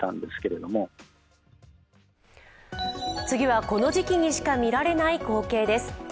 次は、この時期にしか見られない光景です。